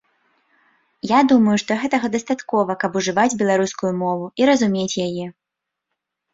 Я думаю, што гэтага дастаткова, каб ужываць беларускую мову і разумець яе.